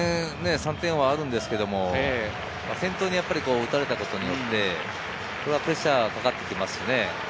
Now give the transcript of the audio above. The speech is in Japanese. ３点はあるんですけども、先頭に打たれたことによって、プレッシャーがかかってきますしね。